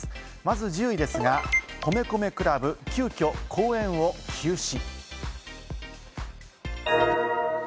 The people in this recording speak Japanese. まず１０位ですが、米米ＣＬＵＢ、急きょ公演を休止。